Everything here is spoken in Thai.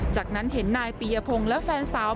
จากนั้นเห็นนายปียพงศ์และแฟนสาว